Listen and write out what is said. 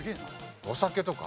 お酒とか？